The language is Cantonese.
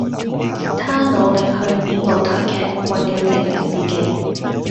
他努力去演舞台劇為了證明自己